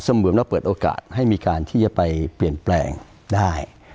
เหมือนเราเปิดโอกาสให้มีการที่จะไปเปลี่ยนแปลงได้